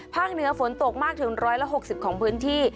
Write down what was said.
เหนือฝนตกมากถึง๑๖๐ของพื้นที่